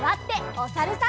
おさるさん。